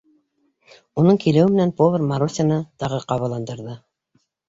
Уның килеүе менән повар Марусяны тағы ҡабаландырҙы: